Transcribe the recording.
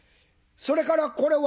それからこれは？」。